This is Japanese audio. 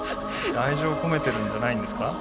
愛情を込めてるんじゃないんですか？